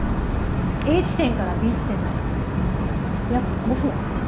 Ａ地点からＢ地点まで約５分。